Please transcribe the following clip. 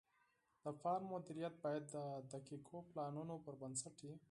د فارم مدیریت باید د دقیقو پلانونو پر بنسټ وي.